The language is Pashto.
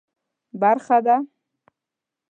برخه ده.